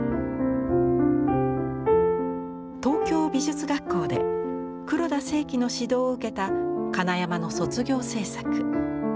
東京美術学校で黒田清輝の指導を受けた金山の卒業制作。